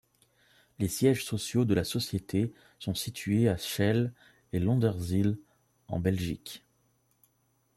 Les sièges sociaux de la société sont situés à Schelle et Londerzeel, en Belgique.